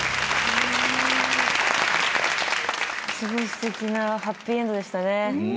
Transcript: すごいすてきなハッピーエンドでしたね。